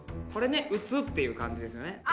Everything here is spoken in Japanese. これね「打つ」っていう漢字ですよね。